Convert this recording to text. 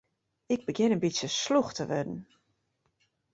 Ik begjin in bytsje slûch te wurden.